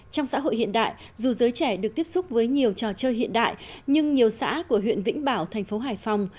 trong xã hội hiện đại dù giới trẻ được tiếp xúc với nhiều trò chơi hiện đại nhưng nhiều xã của huyện vĩnh bảo thành phố hải phòng